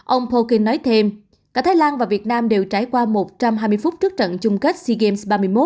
ông poking nói thêm cả thái lan và việt nam đều trải qua một trăm hai mươi phút trước trận chung kết sea games ba mươi một